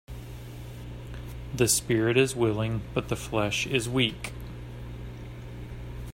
The spirit is willing but the flesh is weak.